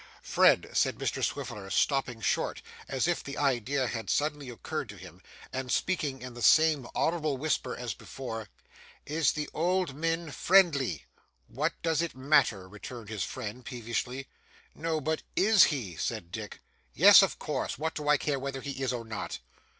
'Fred,' said Mr Swiveller stopping short, as if the idea had suddenly occurred to him, and speaking in the same audible whisper as before, 'is the old min friendly?' 'What does it matter?' returned his friend peevishly. 'No, but IS he?' said Dick. 'Yes, of course. What do I care whether he is or not?